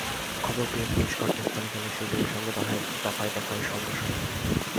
খবর পেয়ে পুলিশ ঘটনাস্থলে গেলে শিবিরের সঙ্গে দফায় দফায় সংঘর্ষ হয়।